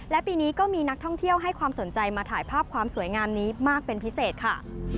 และปีนี้ก็มีนักท่องเที่ยวให้ความสนใจมาถ่ายภาพความสวยงามนี้มากเป็นพิเศษค่ะ